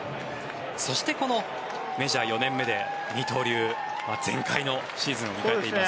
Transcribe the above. そして、このメジャー４年目で二刀流全開のシーズンを迎えています。